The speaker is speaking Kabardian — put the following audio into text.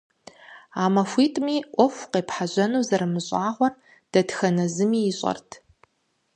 А махуитӀыми Ӏуэху къепхьэжьэну зэрымыщӀагъуэр дэтхэнэ зыми ищӀэрт.